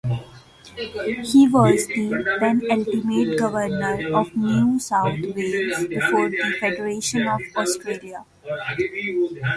He was the penultimate Governor of New South Wales before the Federation of Australia.